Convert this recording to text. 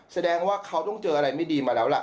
แสดงว่าเขาต้องเจออะไรไม่ดีมาแล้วล่ะ